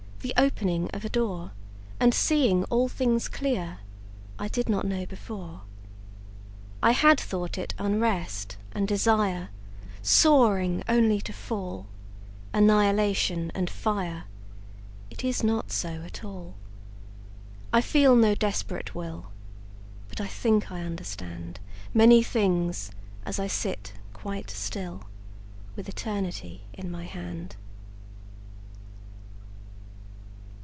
The opening of a door, And seeing all things clear?I did not know before.I had thought it unrest and desireSoaring only to fall, Annihilation and fire:It is not so at all.I feel no desperate will, But I think I understandMany things, as I sit quite still, With Eternity in my hand.